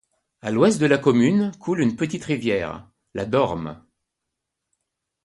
À l'ouest de la commune, coule une petite rivière, la Dorme.